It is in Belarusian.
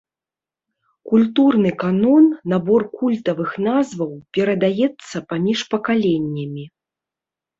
Культурны канон, набор культавых назваў перадаецца паміж пакаленнямі.